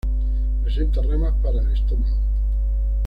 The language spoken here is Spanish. Presenta ramas para el estómago.